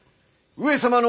上様の！